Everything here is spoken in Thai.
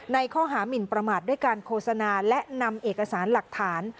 ในข้อหามินประมาทด้วยการโฆษณาและนำเอกสารหลักฐาน